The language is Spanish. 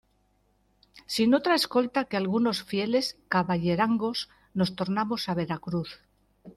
sin otra escolta que algunos fieles caballerangos, nos tornamos a Veracruz.